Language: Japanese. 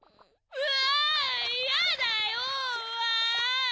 うわ！